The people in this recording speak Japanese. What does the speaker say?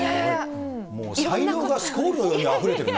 もう才能がスコールのようにあふれてるね。